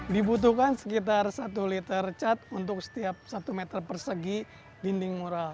dibutuhkan sekitar satu liter cat untuk setiap satu meter persegi dinding mural